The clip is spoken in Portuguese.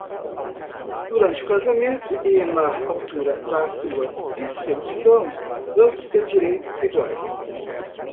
Durante o casamento e na altura da sua dissolução, ambos têm direitos iguais.